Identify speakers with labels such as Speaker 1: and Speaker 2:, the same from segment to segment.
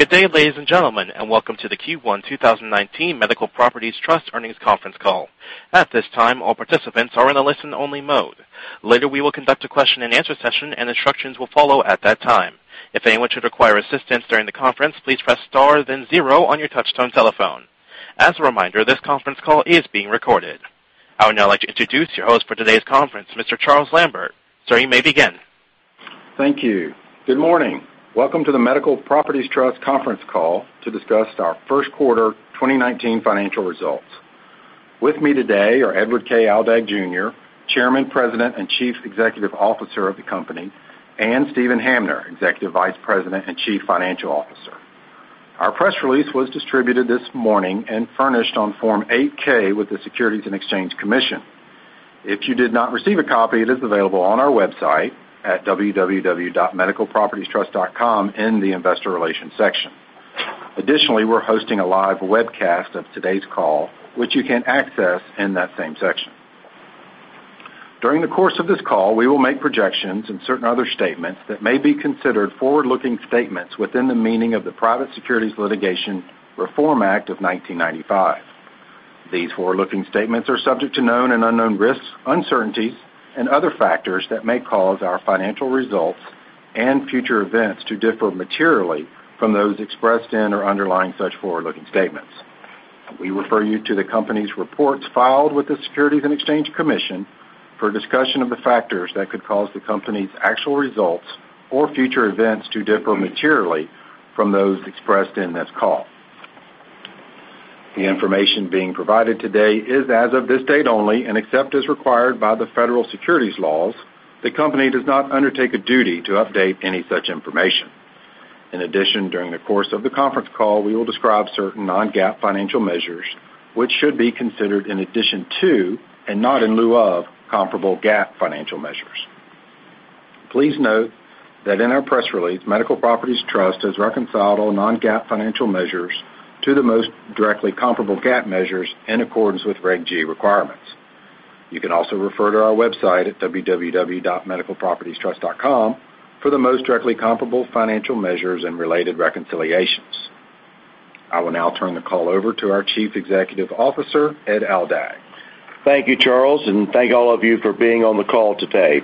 Speaker 1: Good day, ladies and gentlemen, and welcome to the Q1 2019 Medical Properties Trust earnings conference call. At this time, all participants are in a listen only mode. Later, we will conduct a question and answer session and instructions will follow at that time. If anyone should require assistance during the conference, please press star then zero on your touchtone telephone. As a reminder, this conference call is being recorded. I would now like to introduce your host for today's conference, Mr. Charles Lambert. Sir, you may begin.
Speaker 2: Thank you. Good morning. Welcome to the Medical Properties Trust conference call to discuss our first quarter 2019 financial results. With me today are Edward K. Aldag Jr., Chairman, President, and Chief Executive Officer of the company, and Steven Hamner, Executive Vice President and Chief Financial Officer. Our press release was distributed this morning and furnished on Form 8-K with the Securities and Exchange Commission. If you did not receive a copy, it is available on our website at www.medicalpropertiestrust.com in the investor relations section. Additionally, we are hosting a live webcast of today's call, which you can access in that same section. During the course of this call, we will make projections and certain other statements that may be considered forward-looking statements within the meaning of the Private Securities Litigation Reform Act of 1995. These forward-looking statements are subject to known and unknown risks, uncertainties, and other factors that may cause our financial results and future events to differ materially from those expressed in or underlying such forward-looking statements. We refer you to the company's reports filed with the Securities and Exchange Commission for a discussion of the factors that could cause the company's actual results or future events to differ materially from those expressed in this call. Except as required by the federal securities laws, the company does not undertake a duty to update any such information. During the course of the conference call, we will describe certain non-GAAP financial measures, which should be considered in addition to, and not in lieu of, comparable GAAP financial measures. Please note that in our press release, Medical Properties Trust has reconciled non-GAAP financial measures to the most directly comparable GAAP measures in accordance with Reg G requirements. You can also refer to our website at www.medicalpropertiestrust.com for the most directly comparable financial measures and related reconciliations. I will now turn the call over to our Chief Executive Officer, Ed Aldag.
Speaker 3: Thank you, Charles, and thank all of you for being on the call today.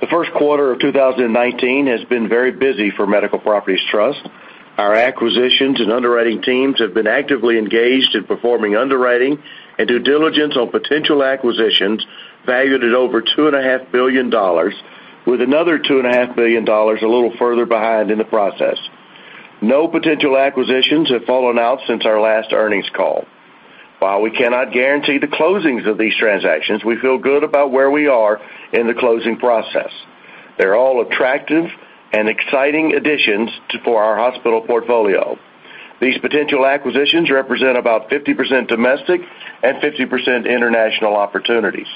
Speaker 3: The first quarter of 2019 has been very busy for Medical Properties Trust. Our acquisitions and underwriting teams have been actively engaged in performing underwriting and due diligence on potential acquisitions valued at over $2.5 billion, with another $2.5 billion a little further behind in the process. No potential acquisitions have fallen out since our last earnings call. While we cannot guarantee the closings of these transactions, we feel good about where we are in the closing process. They are all attractive and exciting additions for our hospital portfolio. These potential acquisitions represent about 50% domestic and 50% international opportunities.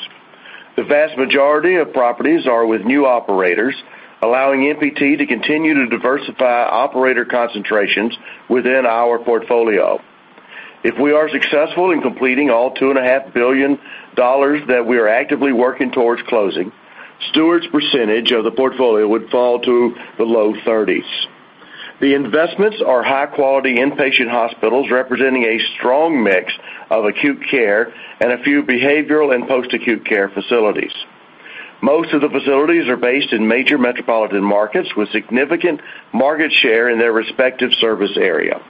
Speaker 3: The vast majority of properties are with new operators, allowing MPT to continue to diversify operator concentrations within our portfolio. If we are successful in completing all $2.5 billion that we are actively working towards closing, Steward's percentage of the portfolio would fall to the low 30s. The investments are high-quality inpatient hospitals representing a strong mix of acute care and a few behavioral and post-acute care facilities. Most of the facilities are based in major metropolitan markets with significant market share in their respective service area.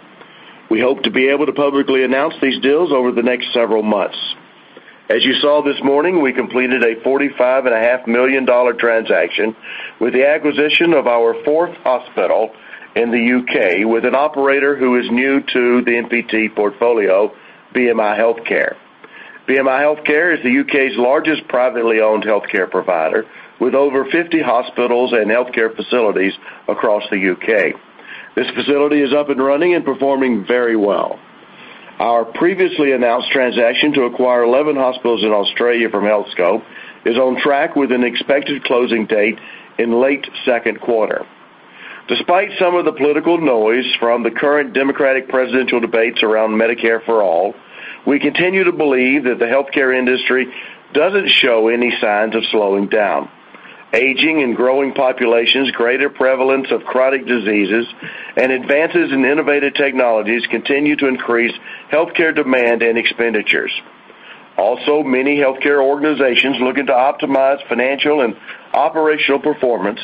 Speaker 3: We hope to be able to publicly announce these deals over the next several months. As you saw this morning, we completed a $45.5 million transaction with the acquisition of our fourth hospital in the U.K. with an operator who is new to the MPT portfolio, BMI Healthcare. BMI Healthcare is the U.K.'s largest privately owned healthcare provider, with over 50 hospitals and healthcare facilities across the U.K. This facility is up and running and performing very well. our company and the hospital industry at large. We continue to believe that the healthcare industry doesn't show any signs of Aging and growing populations, greater prevalence of chronic diseases, and advances in innovative technologies continue to increase healthcare demand and expenditures. Many healthcare organizations looking to optimize financial and operational performance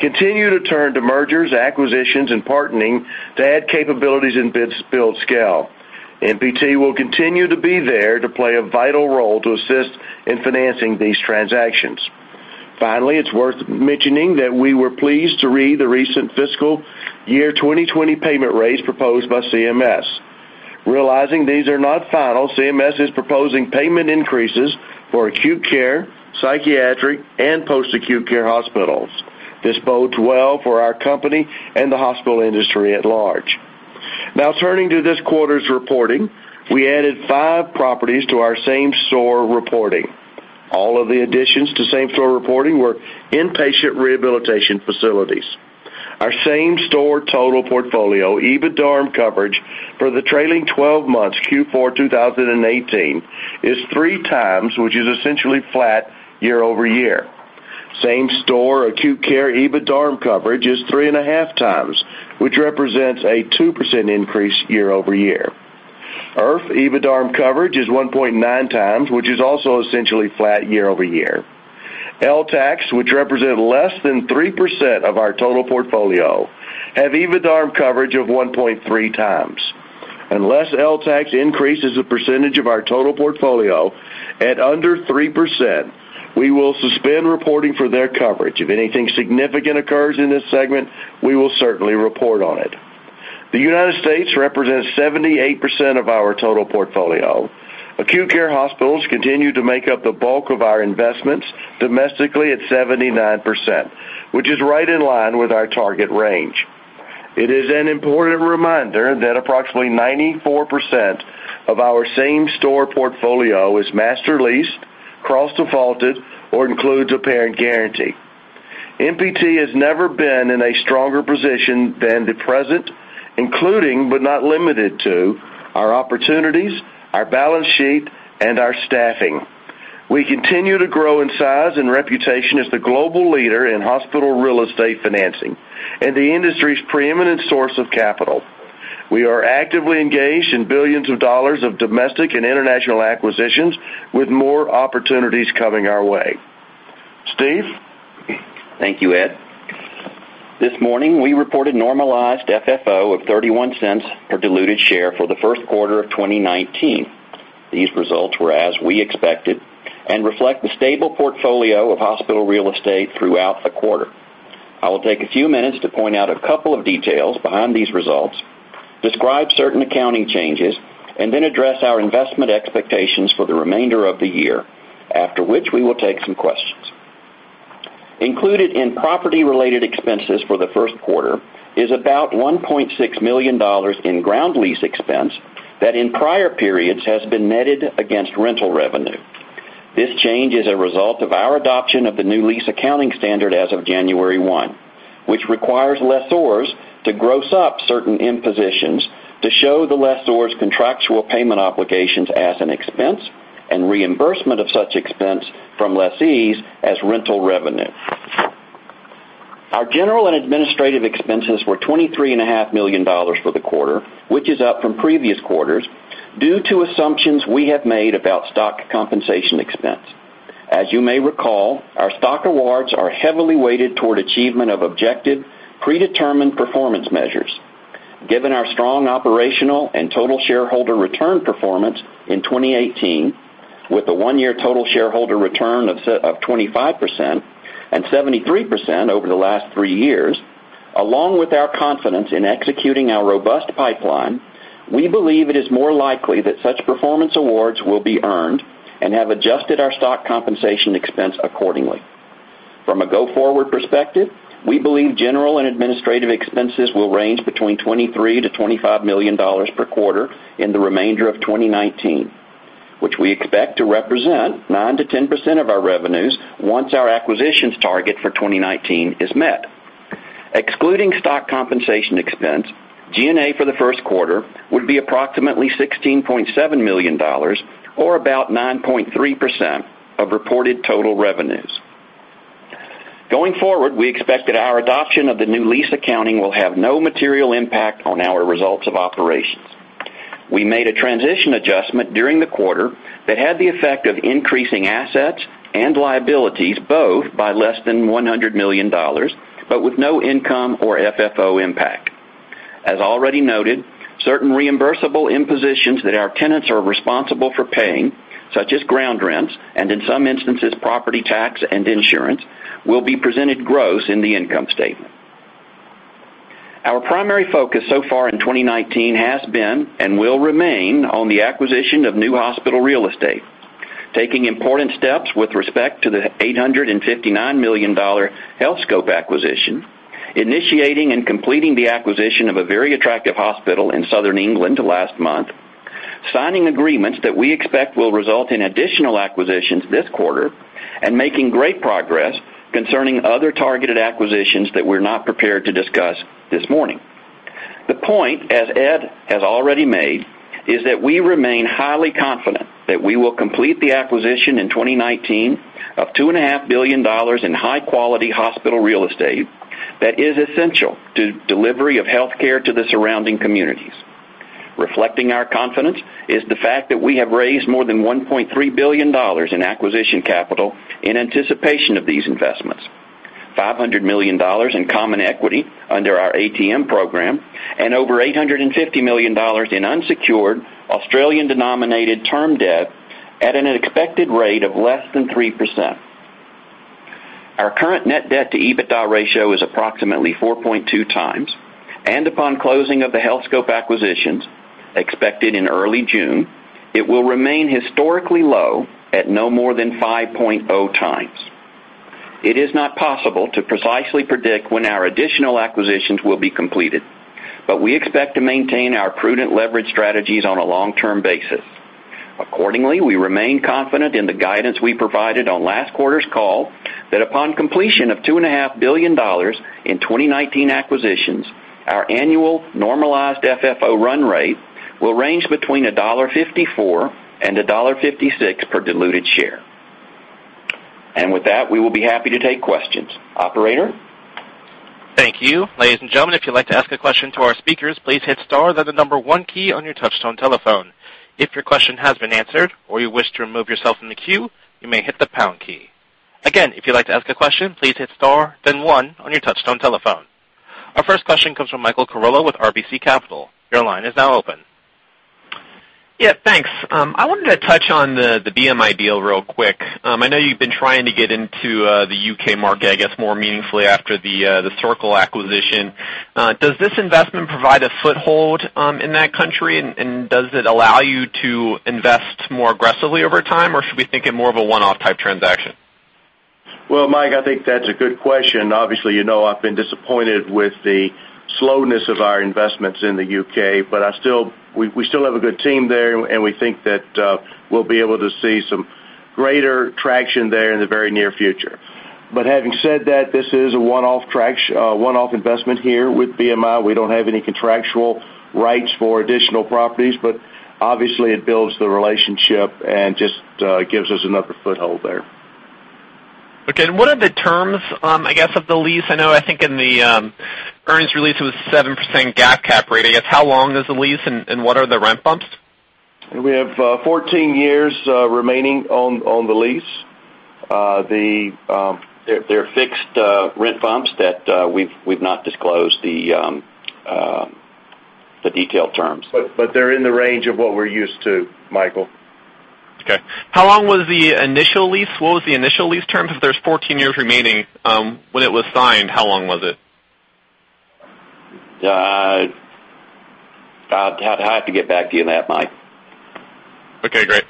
Speaker 3: continue to turn to mergers, acquisitions, and partnering to add capabilities and build scale. MPT will continue to be there to play a vital role to assist in financing these transactions. It's worth mentioning that we were pleased to read the recent fiscal year 2020 payment rates proposed by CMS. If anything significant occurs in this segment, we will certainly report on it. The U.S. represents 78% of our total portfolio. Acute care hospitals continue to make up the bulk of our investments domestically at 79%, which is right in line with our target range. It is an important reminder that approximately 94% of our same-store portfolio is master leased, cross-defaulted, or includes a parent guarantee. MPT has never been in a stronger position than the present, including, but not limited to our opportunities, our balance sheet, and our staffing. We continue to grow in size and reputation as the global leader in hospital real estate financing and the industry's preeminent source of capital. We are actively engaged in billions of dollars of domestic and international acquisitions, with more opportunities coming our way. Steve?
Speaker 4: Thank you, Ed. This morning, we reported normalized FFO of $0.31 per diluted share for the first quarter of 2019. These results were as we expected and reflect the stable portfolio of hospital real estate throughout the quarter. I will take a few minutes to point out a couple of details behind these results, describe certain accounting changes, and then address our investment expectations for the remainder of the year, after which we will take some questions. Included in property-related expenses for the first quarter is about $1.6 million in ground lease expense that in prior periods has been netted against rental revenue. This change is a result of our adoption of the new lease accounting standard as of January 1, which requires lessors to gross up certain impositions to show the lessor's contractual payment obligations as an expense and reimbursement of such expense from lessees as rental revenue. Our general and administrative expenses were $23.5 million for the quarter, which is up from previous quarters due to assumptions we have made about stock compensation expense. As you may recall, our stock awards are heavily weighted toward achievement of objective predetermined performance measures. Given our strong operational and total shareholder return performance in 2018 with a one-year total shareholder return of 25% and 73% over the last three years, along with our confidence in executing our robust pipeline, we believe it is more likely that such performance awards will be earned and have adjusted our stock compensation expense accordingly. From a go-forward perspective, we believe general and administrative expenses will range between $23 million-$25 million per quarter in the remainder of 2019, which we expect to represent 9%-10% of our revenues once our acquisitions target for 2019 is met. Excluding stock compensation expense, G&A for the first quarter would be approximately $16.7 million, or about 9.3% of reported total revenues. Going forward, we expect that our adoption of the new lease accounting will have no material impact on our results of operations. We made a transition adjustment during the quarter that had the effect of increasing assets and liabilities both by less than $100 million, but with no income or FFO impact. As already noted, certain reimbursable impositions that our tenants are responsible for paying, such as ground rents, and in some instances, property tax and insurance, will be presented gross in the income statement. Our primary focus so far in 2019 has been and will remain on the acquisition of new hospital real estate. Taking important steps with respect to the 859 million dollar Healthscope acquisition, initiating and completing the acquisition of a very attractive hospital in Southern England last month, signing agreements that we expect will result in additional acquisitions this quarter, and making great progress concerning other targeted acquisitions that we are not prepared to discuss this morning. The point, as Ed has already made, is that we remain highly confident that we will complete the acquisition in 2019 of $2.5 billion in high-quality hospital real estate that is essential to delivery of healthcare to the surrounding communities. Reflecting our confidence is the fact that we have raised more than $1.3 billion in acquisition capital in anticipation of these investments, $500 million in common equity under our ATM program, and over 850 million dollars in unsecured Australian-denominated term debt at an expected rate of less than 3%. Our current net debt to EBITDA ratio is approximately 4.2 times, and upon closing of the Healthscope acquisitions expected in early June, it will remain historically low at no more than 5.0 times. It is not possible to precisely predict when our additional acquisitions will be completed, but we expect to maintain our prudent leverage strategies on a long-term basis. Accordingly, we remain confident in the guidance we provided on last quarter's call that upon completion of $2.5 billion in 2019 acquisitions-
Speaker 3: Our annual normalized FFO run rate will range between $1.54 and $1.56 per diluted share. And with that, we will be happy to take questions. Operator?
Speaker 1: Thank you. Ladies and gentlemen, if you would like to ask a question to our speakers, please hit star, then the number 1 key on your touchtone telephone. If your question has been answered or you wish to remove yourself from the queue, you may hit the pound key. Again, if you would like to ask a question, please hit star then 1 on your touchtone telephone. Our first question comes from Michael Carroll with RBC Capital. Your line is now open.
Speaker 5: Yeah, thanks. I wanted to touch on the BMI deal real quick. I know you've been trying to get into the U.K. market, I guess, more meaningfully after the Circle acquisition. Does this investment provide a foothold in that country, and does it allow you to invest more aggressively over time, or should we think it more of a one-off type transaction?
Speaker 3: Well, Mike, I think that's a good question. Obviously, you know I've been disappointed with the slowness of our investments in the U.K. We still have a good team there, and we think that we'll be able to see some greater traction there in the very near future. Having said that, this is a one-off investment here with BMI. We don't have any contractual rights for additional properties, but obviously, it builds the relationship and just gives us another foothold there.
Speaker 5: Okay. What are the terms, I guess, of the lease? I know, I think in the earnings release it was 7% GAAP cap rate, I guess. How long is the lease, and what are the rent bumps?
Speaker 3: We have 14 years remaining on the lease.
Speaker 4: They're fixed rent bumps that we've not disclosed the detailed terms.
Speaker 3: They're in the range of what we're used to, Michael.
Speaker 5: Okay. How long was the initial lease? What was the initial lease terms? If there's 14 years remaining when it was signed, how long was it?
Speaker 4: I'd have to get back to you on that, Mike.
Speaker 5: Okay, great.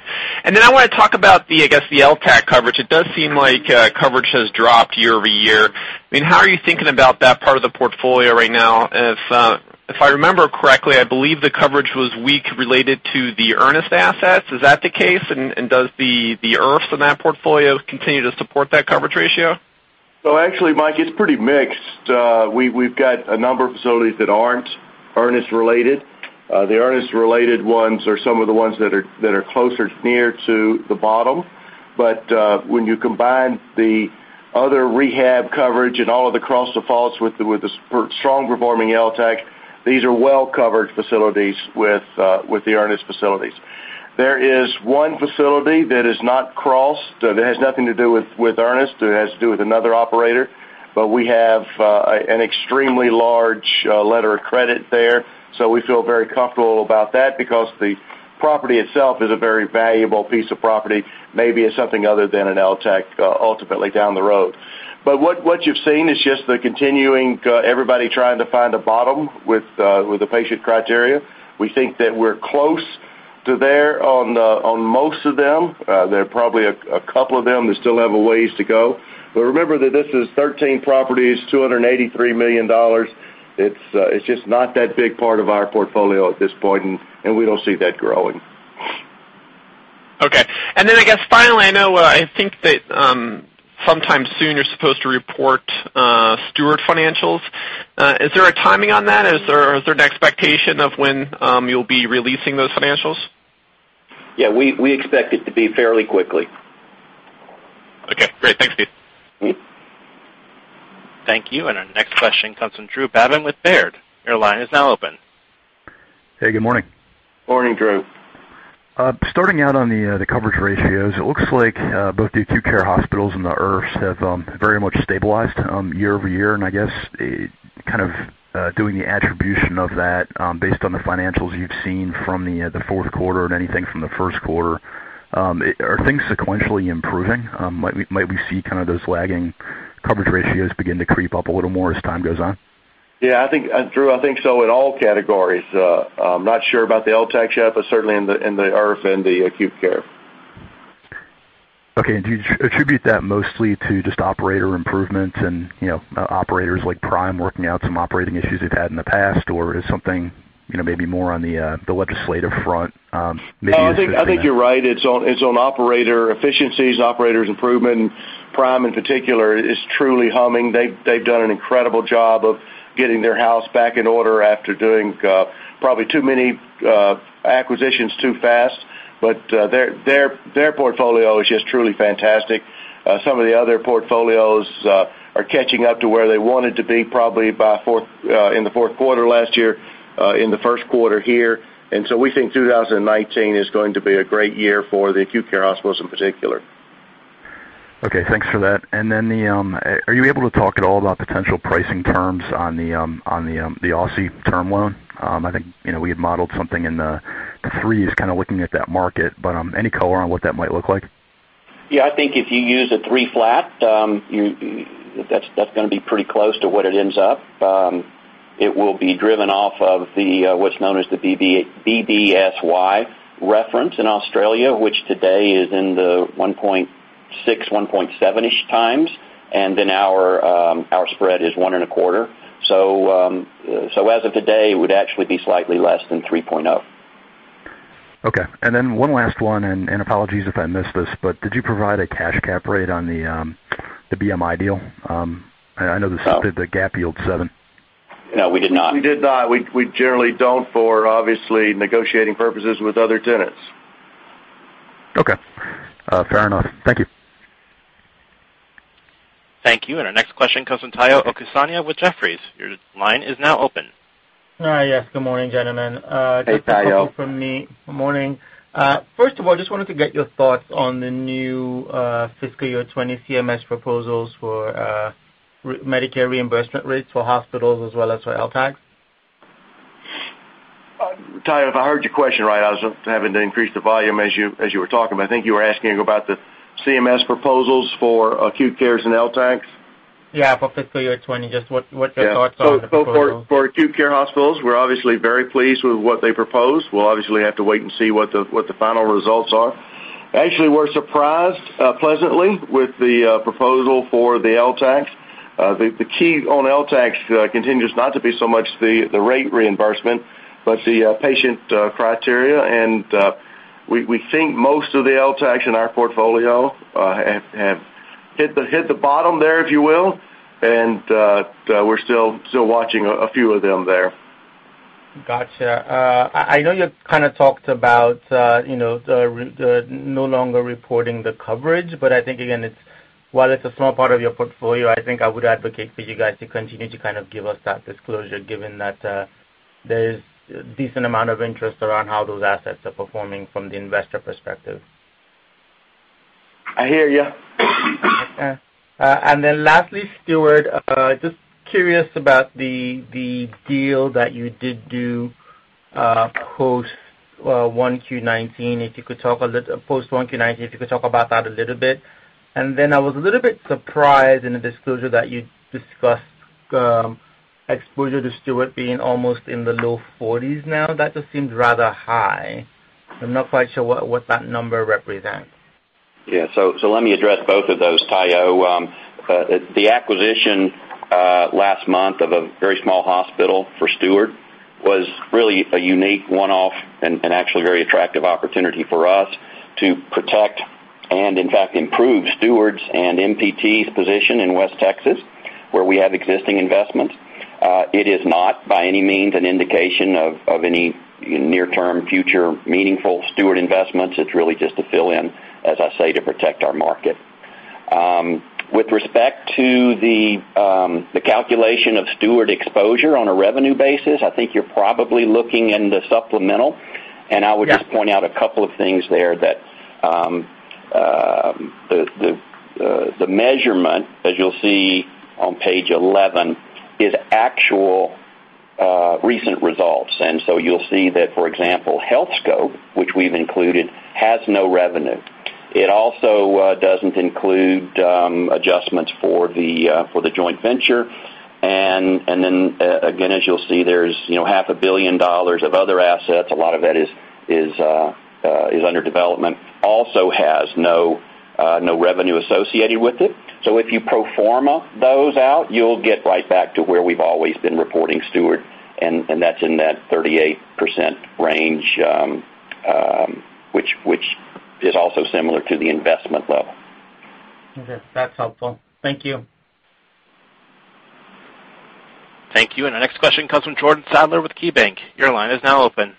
Speaker 5: I want to talk about the, I guess, the LTAC coverage. It does seem like coverage has dropped year-over-year. How are you thinking about that part of the portfolio right now? If I remember correctly, I believe the coverage was weak related to the Ernest assets. Is that the case, and does the IRFs in that portfolio continue to support that coverage ratio?
Speaker 3: Actually, Mike, it's pretty mixed. We've got a number of facilities that aren't Ernest related. The Ernest related ones are some of the ones that are closer to near to the bottom. When you combine the other rehab coverage and all of the cross-defaults with the strong-performing LTAC, these are well-covered facilities with the Ernest facilities. There is one facility that is not crossed, that has nothing to do with Ernest. It has to do with another operator. We have an extremely large letter of credit there, so we feel very comfortable about that because the property itself is a very valuable piece of property. Maybe it's something other than an LTAC ultimately down the road. What you've seen is just the continuing everybody trying to find a bottom with the patient criteria. We think that we're close to there on most of them. There are probably a couple of them that still have a ways to go. Remember that this is 13 properties, $283 million. It's just not that big part of our portfolio at this point, and we don't see that growing.
Speaker 5: Okay. I guess finally, I know, I think that sometime soon you're supposed to report Steward financials. Is there a timing on that? Is there an expectation of when you'll be releasing those financials?
Speaker 4: Yeah, we expect it to be fairly quickly.
Speaker 5: Okay, great. Thanks, Keith.
Speaker 1: Thank you. Our next question comes from Drew Babin with Baird. Your line is now open.
Speaker 6: Hey, good morning.
Speaker 3: Morning, Drew.
Speaker 6: Starting out on the coverage ratios, it looks like both the acute care hospitals and the IRFs have very much stabilized year-over-year. I guess, kind of doing the attribution of that based on the financials you've seen from the fourth quarter and anything from the first quarter. Are things sequentially improving? Might we see kind of those lagging coverage ratios begin to creep up a little more as time goes on?
Speaker 3: Yeah, Drew, I think so in all categories. I'm not sure about the LTAC yet, certainly in the IRF and the acute care.
Speaker 6: Okay. Do you attribute that mostly to just operator improvements and operators like Prime working out some operating issues they've had in the past? Is something maybe more on the legislative front maybe contributing that?
Speaker 3: I think you're right. It's on operator efficiencies, operators improvement. Prime in particular is truly humming. They've done an incredible job of getting their house back in order after doing probably too many acquisitions too fast. Their portfolio is just truly fantastic. Some of the other portfolios are catching up to where they wanted to be, probably in the fourth quarter last year, in the first quarter here. We think 2019 is going to be a great year for the acute care hospitals in particular.
Speaker 6: Okay, thanks for that. Are you able to talk at all about potential pricing terms on the Aussie term loan? I think we had modeled something in the threes kind of looking at that market, any color on what that might look like?
Speaker 4: Yeah, I think if you use a three flat, that's going to be pretty close to what it ends up. It will be driven off of what's known as the BBSY reference in Australia, which today is in the 1.6, 1.7-ish times, our spread is one and a quarter. As of today, it would actually be slightly less than 3.0.
Speaker 6: Okay. One last one, apologies if I missed this, did you provide a cash cap rate on the BMI deal? I know the GAAP yield seven.
Speaker 4: No, we did not.
Speaker 3: We did not. We generally don't for, obviously, negotiating purposes with other tenants.
Speaker 6: Okay. Fair enough. Thank you.
Speaker 1: Thank you. Our next question comes from Omotayo Okusanya with Jefferies. Your line is now open.
Speaker 7: Yes. Good morning, gentlemen.
Speaker 3: Hey, Tayo.
Speaker 7: Good to talk to you from me. Morning. First of all, just wanted to get your thoughts on the new fiscal year 2020 CMS proposals for Medicare reimbursement rates for hospitals as well as for LTACs.
Speaker 3: Tayo, if I heard your question right, I was having to increase the volume as you were talking, but I think you were asking about the CMS proposals for acute cares and LTACs.
Speaker 7: Yeah, for fiscal year 2020, just what your thoughts are on the proposal.
Speaker 3: For acute care hospitals, we're obviously very pleased with what they proposed. We'll obviously have to wait and see what the final results are. Actually, we're surprised pleasantly with the proposal for the LTACs. The key on LTACs continues not to be so much the rate reimbursement, but the patient criteria. We think most of the LTACs in our portfolio have hit the bottom there, if you will. We're still watching a few of them there.
Speaker 7: Got you. I know you kind of talked about no longer reporting the coverage, I think, again, while it's a small part of your portfolio, I think I would advocate for you guys to continue to kind of give us that disclosure, given that there's a decent amount of interest around how those assets are performing from the investor perspective.
Speaker 3: I hear you.
Speaker 7: Okay. Lastly, Steward, just curious about the deal that you did do post 1Q19, if you could talk about that a little bit. I was a little bit surprised in the disclosure that you discussed exposure to Steward being almost in the low 40s now. That just seems rather high. I'm not quite sure what that number represents.
Speaker 4: Yeah. Let me address both of those, Tayo. The acquisition last month of a very small hospital for Steward was really a unique one-off and actually very attractive opportunity for us to protect and in fact, improve Steward's and MPT's position in West Texas, where we have existing investments. It is not by any means an indication of any near-term future meaningful Steward investments. It's really just to fill in, as I say, to protect our market. With respect to the calculation of Steward exposure on a revenue basis, I think you're probably looking in the supplemental. I would just point out a couple of things there that the measurement, as you'll see on page 11, is actual recent results. You'll see that, for example, Healthscope, which we've included, has no revenue. It also doesn't include adjustments for the joint venture. Again, as you'll see, there's half a billion dollars of other assets. A lot of that is under development. Also has no revenue associated with it. If you pro forma those out, you'll get right back to where we've always been reporting Steward, and that's in that 38% range, which is also similar to the investment level.
Speaker 7: Okay. That's helpful. Thank you.
Speaker 1: Thank you. Our next question comes from Jordan Sadler with KeyBanc. Your line is now open.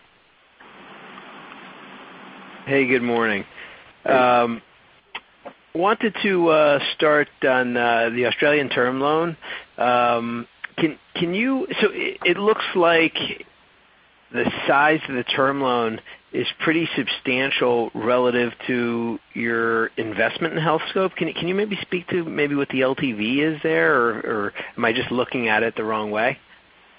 Speaker 8: Hey, good morning.
Speaker 4: Hey.
Speaker 8: Wanted to start on the Australian term loan. It looks like the size of the term loan is pretty substantial relative to your investment in Healthscope. Can you maybe speak to maybe what the LTV is there, or am I just looking at it the wrong way?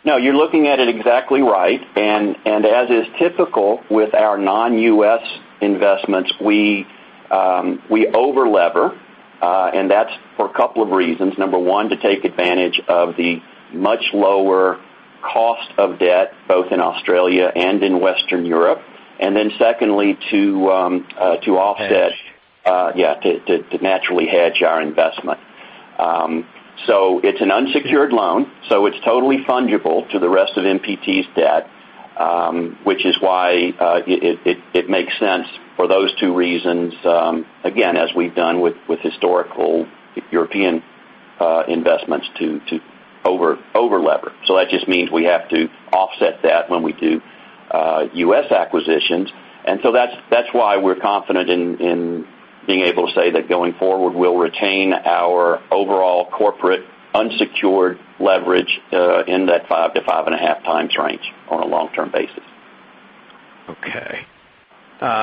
Speaker 4: No, you're looking at it exactly right. As is typical with our non-U.S. investments, we over-lever, and that's for a couple of reasons. Number 1, to take advantage of the much lower cost of debt, both in Australia and in Western Europe. Then secondly, to offset-
Speaker 8: Hedge.
Speaker 4: To naturally hedge our investment. It's an unsecured loan, so it's totally fungible to the rest of MPT's debt, which is why it makes sense for those two reasons, again, as we've done with historical European investments to over-lever. That just means we have to offset that when we do U.S. acquisitions. That's why we're confident in being able to say that going forward, we'll retain our overall corporate unsecured leverage in that five to five and a half times range on a long-term basis.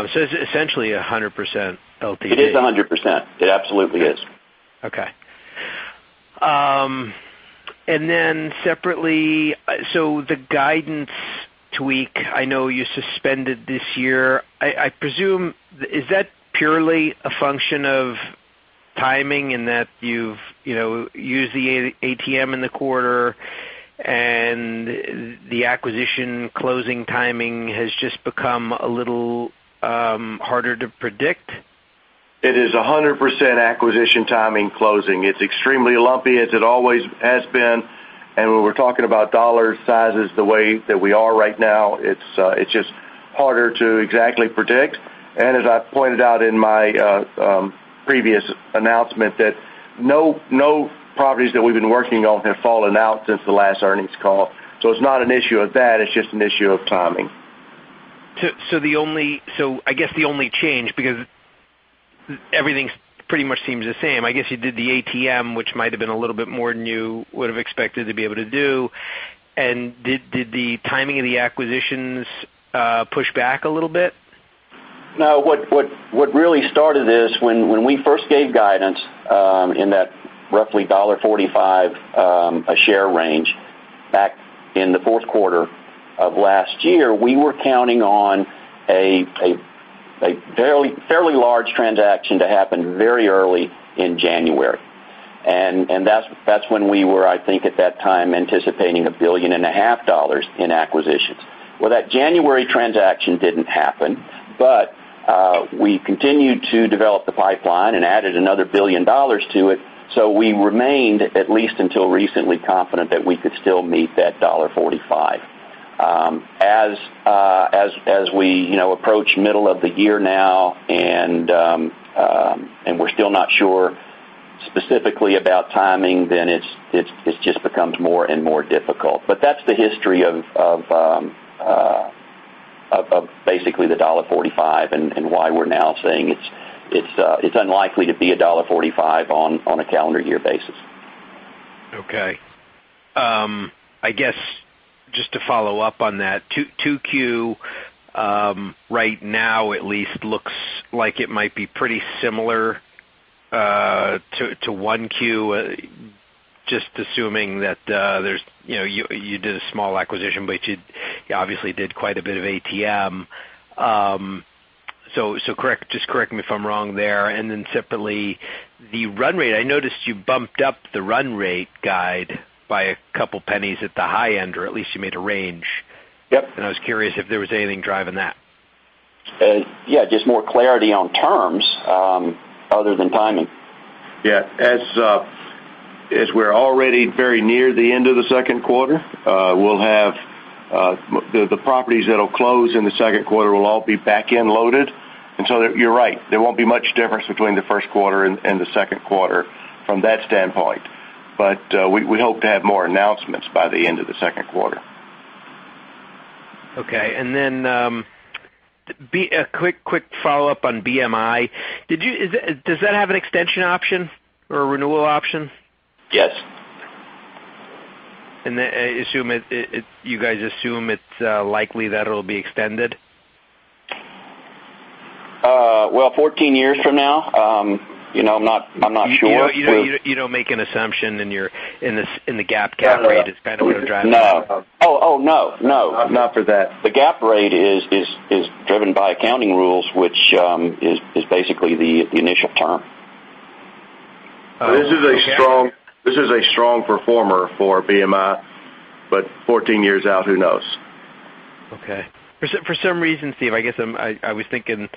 Speaker 8: It's essentially 100% LTV.
Speaker 4: It is 100%. It absolutely is.
Speaker 8: Separately, so the guidance tweak, I know you suspended this year. I presume, is that purely a function of timing in that you've used the ATM in the quarter and the acquisition closing timing has just become a little harder to predict?
Speaker 3: It is 100% acquisition timing closing. It is extremely lumpy as it always has been, when we're talking about dollar sizes the way that we are right now, it is just harder to exactly predict. As I pointed out in my previous announcement, that no properties that we've been working on have fallen out since the last earnings call. It is not an issue of that, it is just an issue of timing.
Speaker 8: I guess the only change, because everything pretty much seems the same. I guess you did the ATM, which might have been a little bit more than you would have expected to be able to do. Did the timing of the acquisitions push back a little bit?
Speaker 4: What really started this, when we first gave guidance, in that roughly $1.45 a share range back in the fourth quarter of last year, we were counting on a fairly large transaction to happen very early in January. That's when we were, I think, at that time, anticipating $1.5 billion in acquisitions. That January transaction didn't happen, but we continued to develop the pipeline and added another $1 billion to it. We remained, at least until recently, confident that we could still meet that $1.45. As we approach middle of the year now, and we're still not sure specifically about timing, then it just becomes more and more difficult. That's the history of basically the $1.45 and why we're now saying it's unlikely to be $1.45 on a calendar year basis.
Speaker 8: Okay. I guess, just to follow up on that, 2Q, right now at least, looks like it might be pretty similar to 1Q, just assuming that you did a small acquisition, but you obviously did quite a bit of ATM. Just correct me if I'm wrong there. Separately, the run rate, I noticed you bumped up the run rate guide by a couple pennies at the high end, or at least you made a range.
Speaker 4: Yep.
Speaker 8: I was curious if there was anything driving that.
Speaker 4: Yeah, just more clarity on terms other than timing.
Speaker 3: Yeah. As we're already very near the end of the second quarter, the properties that'll close in the second quarter will all be back-end loaded. You're right, there won't be much difference between the first quarter and the second quarter from that standpoint. We hope to have more announcements by the end of the second quarter.
Speaker 8: Okay. A quick follow-up on BMI. Does that have an extension option or a renewal option?
Speaker 4: Yes.
Speaker 8: You guys assume it's likely that it'll be extended?
Speaker 4: Well, 14 years from now, I'm not sure.
Speaker 8: You don't make an assumption in the GAAP rate.
Speaker 4: No
Speaker 8: It's kind of what drives.
Speaker 4: No. Oh, no.
Speaker 8: Not for that.
Speaker 4: The GAAP rate is driven by accounting rules, which is basically the initial term.
Speaker 3: This is a strong performer for BMI, but 14 years out, who knows?
Speaker 8: Okay. For some reason, Steve, I guess I was thinking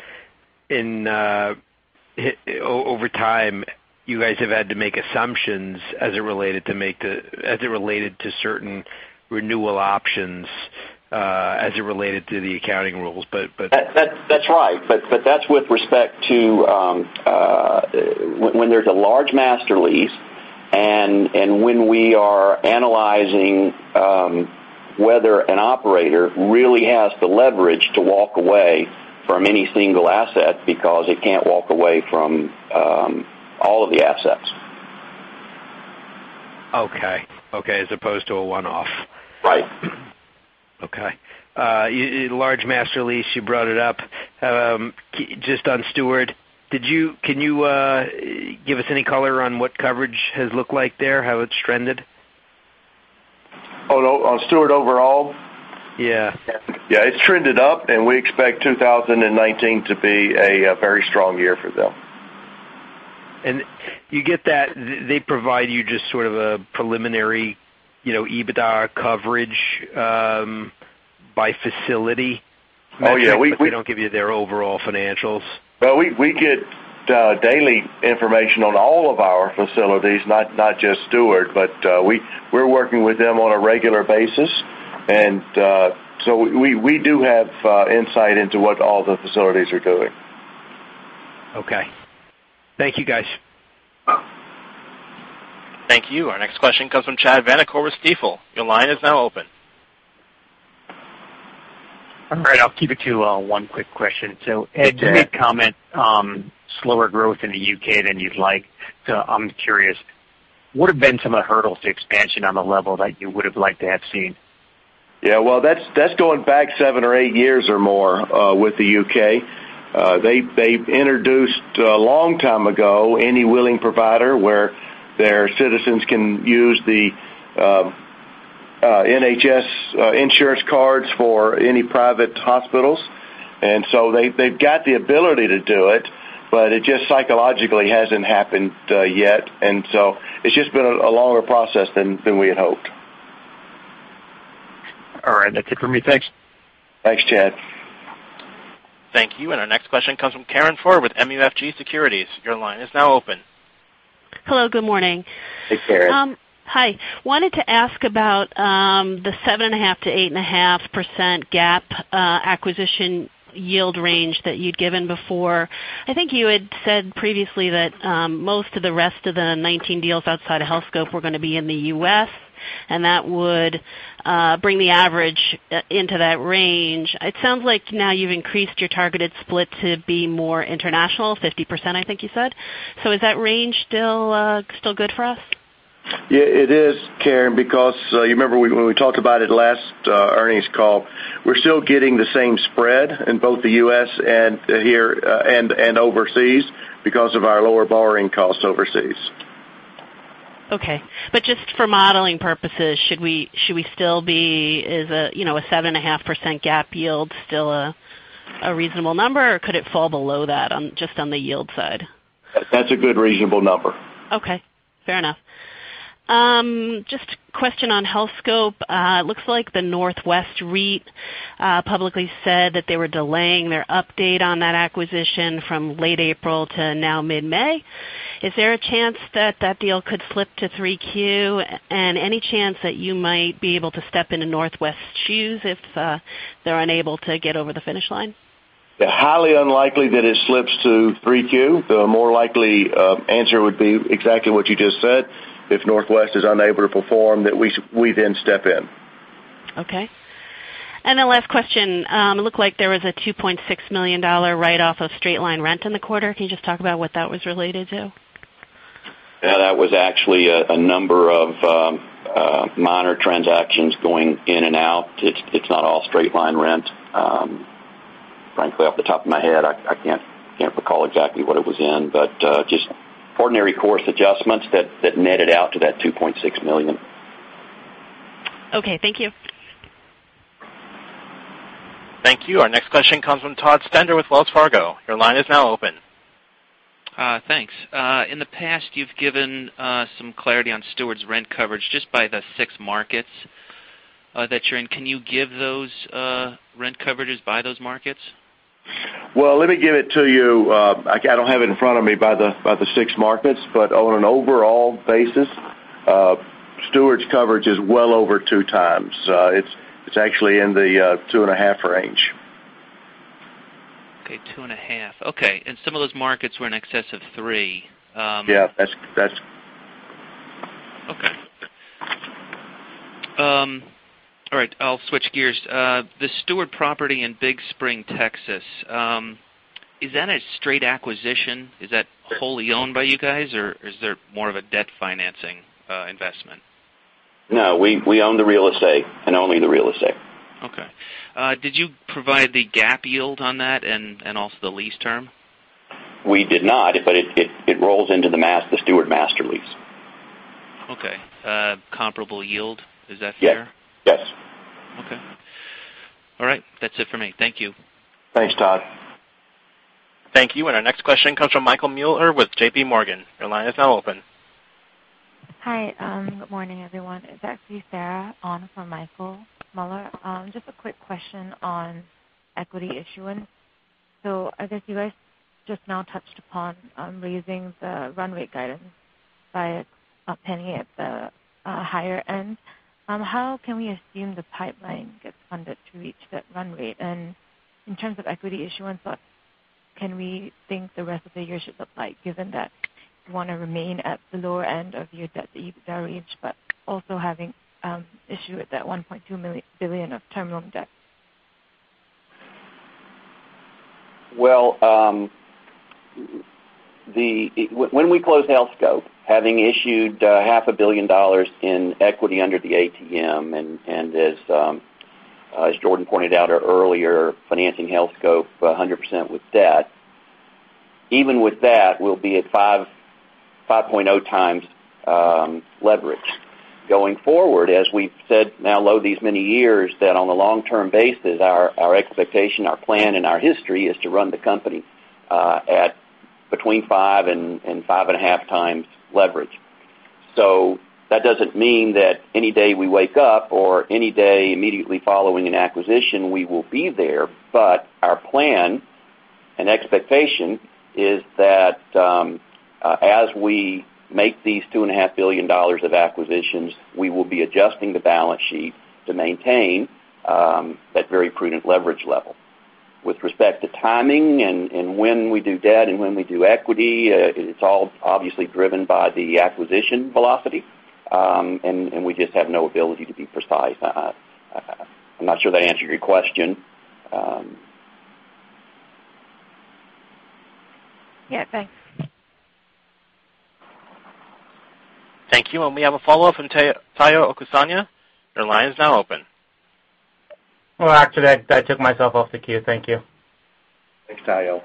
Speaker 8: over time, you guys have had to make assumptions as it related to certain renewal options, as it related to the accounting rules.
Speaker 4: That's right. That's with respect to when there's a large master lease, and when we are analyzing whether an operator really has the leverage to walk away from any single asset because it can't walk away from all of the assets.
Speaker 8: Okay. As opposed to a one-off.
Speaker 4: Right.
Speaker 8: Okay. Large master lease, you brought it up. Just on Steward, can you give us any color on what coverage has looked like there, how it's trended?
Speaker 3: On Steward overall?
Speaker 8: Yeah.
Speaker 3: Yeah. It's trended up, we expect 2019 to be a very strong year for them.
Speaker 8: You get that, they provide you just sort of a preliminary EBITDA coverage, by facility metric?
Speaker 3: Oh, yeah.
Speaker 8: They don't give you their overall financials?
Speaker 3: Well, we get daily information on all of our facilities, not just Steward. We're working with them on a regular basis, we do have insight into what all the facilities are doing.
Speaker 8: Okay. Thank you, guys.
Speaker 1: Thank you. Our next question comes from Chad Vanacore with Stifel. Your line is now open.
Speaker 9: All right. I'll keep it to one quick question. Ed-
Speaker 3: Yeah
Speaker 9: You did comment on slower growth in the U.K. than you'd like. I'm curious, what have been some of the hurdles to expansion on the level that you would've liked to have seen?
Speaker 3: Yeah. Well, that's going back seven or eight years or more with the U.K. They introduced a long time ago, any willing provider where their citizens can use the NHS insurance cards for any private hospitals. They've got the ability to do it, but it just psychologically hasn't happened yet. It's just been a longer process than we had hoped.
Speaker 9: All right. That's it for me. Thanks.
Speaker 4: Thanks, Chad.
Speaker 1: Thank you. Our next question comes from Karen Fehr with MUFG Securities. Your line is now open.
Speaker 10: Hello, good morning.
Speaker 4: Hey, Karen.
Speaker 10: Hi. Wanted to ask about the 7.5%-8.5% GAAP acquisition yield range that you'd given before. I think you had said previously that most of the rest of the 19 deals outside of Healthscope were going to be in the U.S., and that would bring the average into that range. It sounds like now you've increased your targeted split to be more international, 50%, I think you said. Is that range still good for us?
Speaker 4: Yeah, it is, Karen, because you remember when we talked about it last earnings call, we're still getting the same spread in both the U.S. and overseas because of our lower borrowing costs overseas.
Speaker 10: Okay. Just for modeling purposes, is a 7.5% GAAP yield still a reasonable number, or could it fall below that just on the yield side?
Speaker 4: That's a good, reasonable number.
Speaker 10: Okay, fair enough. Just a question on Healthscope. It looks like the Northwest REIT publicly said that they were delaying their update on that acquisition from late April to now mid-May. Is there a chance that that deal could slip to 3Q, and any chance that you might be able to step into Northwest's shoes if they're unable to get over the finish line?
Speaker 4: Highly unlikely that it slips to 3Q. The more likely answer would be exactly what you just said. If Northwest is unable to perform, that we then step in.
Speaker 10: Okay. The last question. It looked like there was a $2.6 million write-off of straight-line rent in the quarter. Can you just talk about what that was related to?
Speaker 4: Yeah, that was actually a number of minor transactions going in and out. It's not all straight-line rent. Frankly, off the top of my head, I can't recall exactly what it was in, but just ordinary course adjustments that netted out to that $2.6 million.
Speaker 10: Okay, thank you.
Speaker 1: Thank you. Our next question comes from Todd Stender with Wells Fargo. Your line is now open.
Speaker 11: Thanks. In the past, you've given some clarity on Steward's rent coverage just by the six markets that you're in. Can you give those rent coverages by those markets?
Speaker 4: Well, let me give it to you. I don't have it in front of me by the six markets, but on an overall basis, Steward's coverage is well over two times. It's actually in the two and a half range.
Speaker 11: Okay, two and a half. Okay. Some of those markets were in excess of three.
Speaker 4: Yeah.
Speaker 11: Okay. All right, I'll switch gears. The Steward property in Big Spring, Texas, is that a straight acquisition? Is that wholly owned by you guys, or is there more of a debt financing investment?
Speaker 4: No, we own the real estate and only the real estate.
Speaker 11: Okay. Did you provide the GAAP yield on that and also the lease term?
Speaker 4: We did not, but it rolls into the Steward master lease.
Speaker 11: Okay. Comparable yield, is that fair?
Speaker 4: Yes.
Speaker 11: Okay. All right. That's it for me. Thank you.
Speaker 4: Thanks, Todd.
Speaker 1: Thank you. Our next question comes from Michael Mueller with JPMorgan. Your line is now open.
Speaker 12: Hi. Good morning, everyone. It's actually Sarah on for Michael Mueller. Just a quick question on equity issuance. I guess you guys just now touched upon raising the run rate guidance by a penny at the higher end. How can we assume the pipeline gets funded to reach that run rate? In terms of equity issuance, what can we think the rest of the year should look like, given that you want to remain at the lower end of your debt-to-EBITDA range, but also having issued that $1.2 billion of term loan debt?
Speaker 4: Well, when we close Healthscope, having issued half a billion dollars in equity under the ATM, and as Jordan pointed out earlier, financing Healthscope 100% with debt, even with that, we'll be at 5.0 times leverage. Going forward, as we've said now lo these many years, that on a long-term basis, our expectation, our plan, and our history is to run the company at between five and five and a half times leverage. That doesn't mean that any day we wake up or any day immediately following an acquisition, we will be there. Our plan and expectation is that as we make these $2.5 billion of acquisitions, we will be adjusting the balance sheet to maintain that very prudent leverage level. With respect to timing and when we do debt and when we do equity, it's all obviously driven by the acquisition velocity, and we just have no ability to be precise. I'm not sure that answered your question.
Speaker 12: Yeah. Thanks.
Speaker 1: Thank you. We have a follow-up from Omotayo Okusanya. Your line is now open.
Speaker 7: Well, actually, I took myself off the queue. Thank you.
Speaker 4: Thanks, Tayo.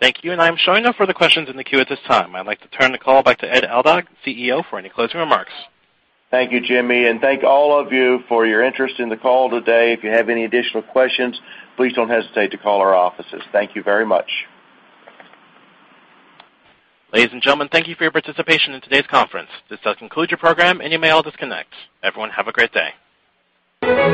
Speaker 1: Thank you. I'm showing no further questions in the queue at this time. I'd like to turn the call back to Edward Aldag, CEO, for any closing remarks.
Speaker 3: Thank you, Jimmy. Thank all of you for your interest in the call today. If you have any additional questions, please don't hesitate to call our offices. Thank you very much.
Speaker 1: Ladies and gentlemen, thank you for your participation in today's conference. This does conclude your program, and you may all disconnect. Everyone, have a great day.